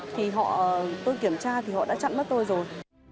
thì họ tôi kiểm tra thì họ đã chặn mất tôi rồi